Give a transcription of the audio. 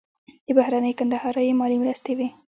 د بهرنیو کندهاریو مالي مرستې وې.